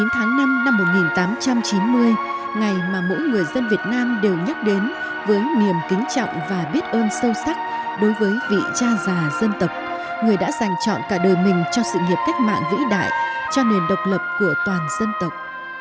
một mươi tháng năm năm một nghìn tám trăm chín mươi ngày mà mỗi người dân việt nam đều nhắc đến với niềm kính trọng và biết ơn sâu sắc đối với vị cha già dân tộc người đã dành chọn cả đời mình cho sự nghiệp cách mạng vĩ đại cho nền độc lập của toàn dân tộc